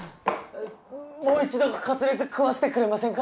もう一度カツレツ食わせてくれませんか？